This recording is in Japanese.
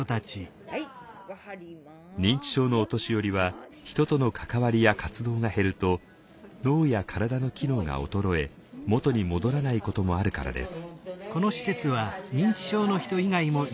認知症のお年寄りは人との関わりや活動が減ると脳や体の機能が衰え元に戻らないこともあるからです。